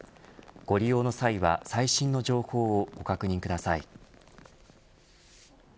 ご利用の際は最新の情報をご確認ください。